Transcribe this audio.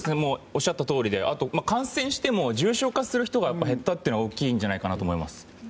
おっしゃったとおりで感染しても重症化する人が減ったというのが大きいのかなと思います。